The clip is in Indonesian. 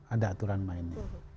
ada aturan mainnya